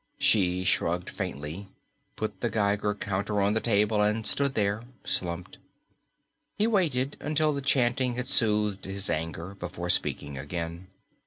She shrugged faintly, put the Geiger counter on the table, and stood there slumped. He waited until the chanting had soothed his anger, before speaking again.